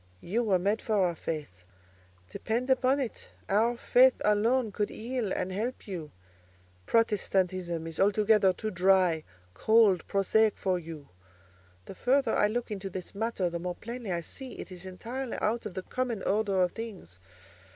You were made for our faith: depend upon it our faith alone could heal and help you—Protestantism is altogether too dry, cold, prosaic for you. The further I look into this matter, the more plainly I see it is entirely out of the common order of things.